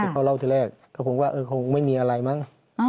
เขาเล่าที่แรกก็ผมว่าเออคงไม่มีอะไรมั้ง